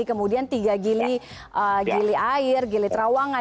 kemudian tiga gili gili air gili terawangan